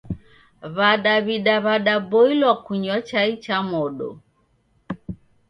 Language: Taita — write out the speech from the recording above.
W'adaw'ida w'adaboilwa kunywa chai cha modo.